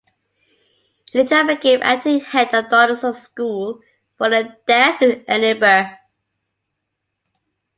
He later became acting head of Donaldson's School for the Deaf in Edinburgh.